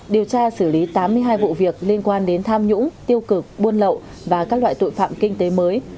điều tra xử lý tám mươi hai vụ việc liên quan đến tham nhũng tiêu cực buôn lậu và các loại tội phạm kinh tế mới